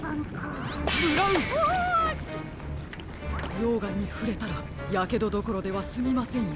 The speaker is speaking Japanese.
ようがんにふれたらやけどどころではすみませんよ。